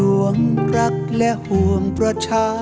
ความเพียงเราก็จะได้รู้จากเรื่องพระมหาชนกที่ตอนนั้นเป็นพระราชนิพลของท่าน